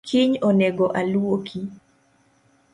Kiny onego aluoki